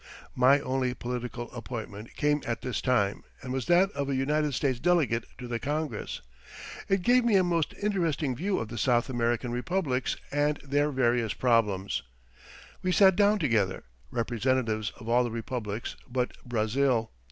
My only political appointment came at this time and was that of a United States delegate to the Congress. It gave me a most interesting view of the South American Republics and their various problems. We sat down together, representatives of all the republics but Brazil.